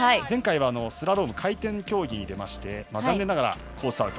前回はスラローム回転競技に出まして残念ながらコース